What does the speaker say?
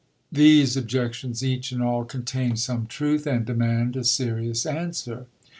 These objections, each and all, contain some truth, and demand a serious answer.